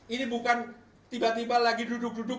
ini bukan tiba tiba lagi duduk duduk